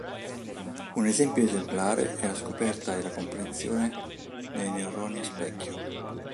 Un esempio esemplare è la scoperta e la comprensione dei neuroni specchio.